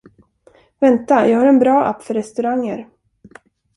Vänta, jag har en bra app för restauranger.